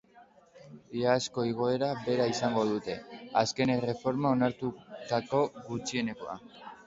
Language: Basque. Iazko igoera bera izango dute, azken erreforman onartutako gutxienekoa.